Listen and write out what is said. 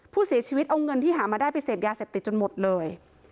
ผู้เสียชีวิตเอาเงินที่หามาได้ไปเสพยาเสพติดจนหมดเลย